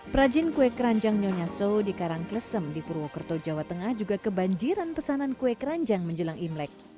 prajin kue keranjang nyonya so di karangklesem di purwokerto jawa tengah juga kebanjiran pesanan kue keranjang menjelang imlek